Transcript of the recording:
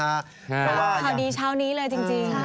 ข่าวดีเช้านี้เลยจริง